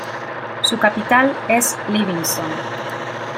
Su capital es Livingstone.